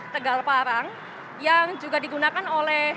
tegal parang yang juga digunakan oleh